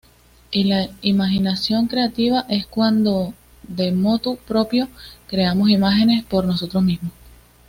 Y la imaginación creativa es cuando de motu propio creamos imágenes por nosotros mismos.